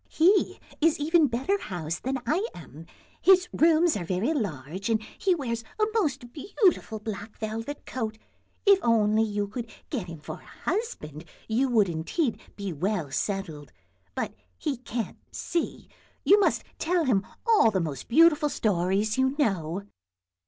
He is even better housed than I am; his rooms are very large and he wears a most beautiful black velvet coat; if only you could get him for a husband you would indeed be well settled, but he can't see. You must tell him all the most beautiful stories you know."